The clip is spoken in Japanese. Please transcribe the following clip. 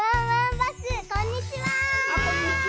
あっこんにちは！